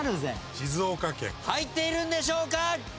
入っているんでしょうか？